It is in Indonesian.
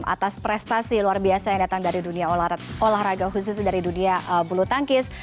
atas prestasi luar biasa yang datang dari dunia olahraga khusus dari dunia bulu tangkis